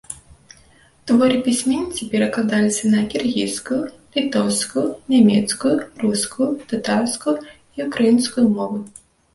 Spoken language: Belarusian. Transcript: Творы пісьменніцы перакладаліся на кіргізскую, літоўскую, нямецкую, рускую, татарскую і ўкраінскую мовы.